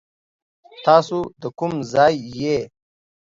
تاسو دا کوم ځای يي ؟